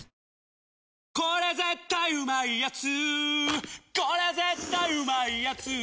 「日清これ絶対うまいやつ」